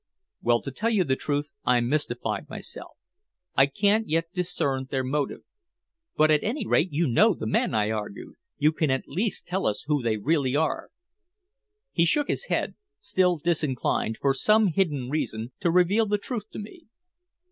"Well, to tell you the truth, I'm mystified myself. I can't yet discern their motive." "But at any rate you know the men," I argued. "You can at least tell us who they really are." He shook his head, still disinclined, for some hidden reason, to reveal the truth to me.